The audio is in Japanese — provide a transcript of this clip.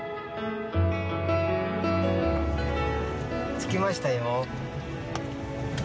着きましたよ。